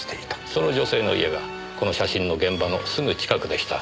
その女性の家がこの写真の現場のすぐ近くでした。